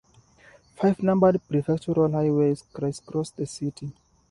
Five numbered prefectural highways crisscross the city.